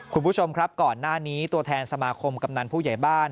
คุณผู้ชมครับก่อนหน้านี้ตัวแทนสมาคมกำนันผู้ใหญ่บ้าน